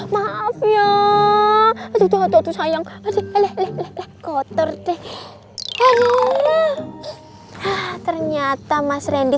kamu pegang sini